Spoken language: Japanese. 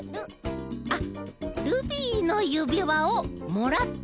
あっ「ルビーのゆびわをもらった！」。